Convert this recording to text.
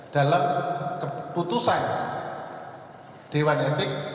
dalam keputusan dewan etik